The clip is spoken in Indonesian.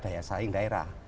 daya saing daerah